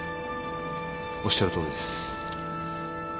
おっしゃるとおりです。